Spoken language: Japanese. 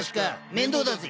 面倒だぜ。